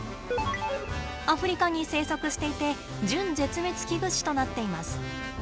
アフリカに生息していて準絶滅危惧種となっています。